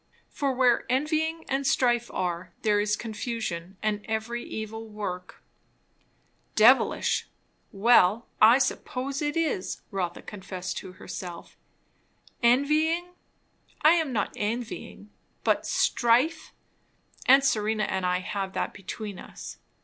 For where envying and strife are, there is confusion and every evil work." "Devilish"! well, I suppose it is, Rotha confessed to herself. "Envying" I am not envying; but "strife" aunt Serena and I have that between us.